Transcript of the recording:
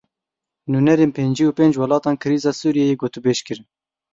Nûnerên pêncî û pênc welatan krîza Sûriyeyê gotûbêj kirin.